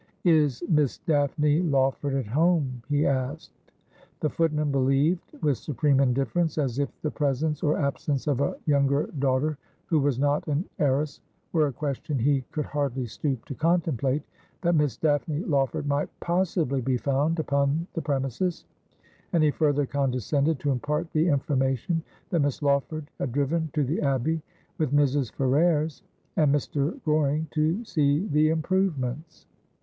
' Is Miss Daphne Lawford at home ?' he asked. The footman believed, with supreme indifference, as if the presence or absence of a younger daughter who was not an heiress were a question he could hardly stoop to contemplate, that Miss Daphne Lawford might possibly be found upon the pre mises ; and he further condescended to impart the information that Miss Lawford had driven to the Abbey with Mrs. Ferrers and Mr. Goring to see the improvements.